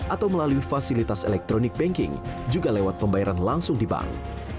atau melalui fasilitas elektronik banking juga lewat pembayaran langsung di bank